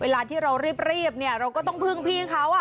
เวลาที่เรารีบเนี่ยเราก็ต้องพึ่งพี่เขา